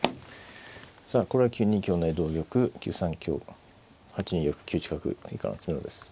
さあこれは９二香成同玉９三香８二玉９一角以下の詰めろです。